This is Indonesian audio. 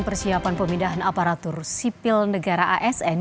persiapan pemindahan aparatur sipil negara asn